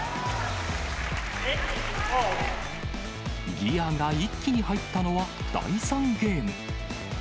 ギアが一気に入ったのは、第３ゲーム。